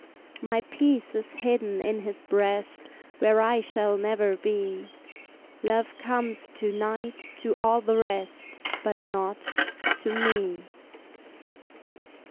My peace is hidden in his breast Where I shall never be; Love comes to night to all the rest, But not to me.